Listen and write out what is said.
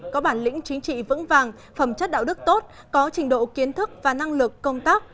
có bản lĩnh chính trị vững vàng phẩm chất đạo đức tốt có trình độ kiến thức và năng lực công tác